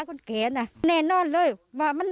คุณผู้สายรุ่งมโสผีอายุ๔๒ปี